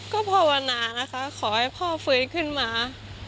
ก็ภาวนานะคะขอให้พ่อฟื้นขึ้นมา